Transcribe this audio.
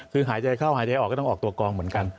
คือหายใจเข้าหายใจออกก็ต้องออกตัวกองเหมือนกัน